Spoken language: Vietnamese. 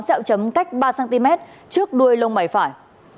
sẹo chấm cách ba cm trước đuôi lông bài phải